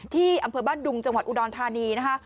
ที่อำเภอบ้านดุงจังหวัดอุดรธานีนะคะ